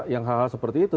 yang hal hal seperti itu